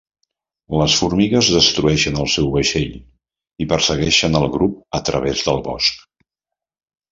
Les formigues destrueixen el seu vaixell i persegueixen el grup a través del bosc.